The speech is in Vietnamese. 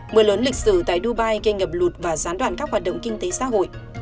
mưa lớn lịch sử tại dubai gây ngập lụt và gián đoạn các hoạt động kinh tế xã hội